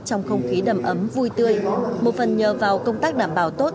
trong không khí đầm ấm vui tươi một phần nhờ vào công tác đảm bảo tốt